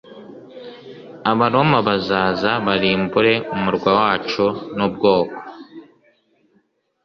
Abaroma bazaza barimbure umurwa wacu n ubwoko